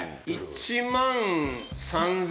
１万３０００。